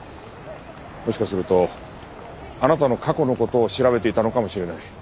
もしかするとあなたの過去の事を調べていたのかもしれない。